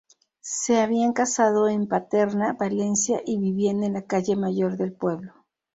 Se habían casado en Paterna, Valencia y vivían en la calle Mayor del pueblo.